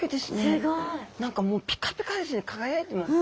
すごい。何かもうピカピカですね輝いてます。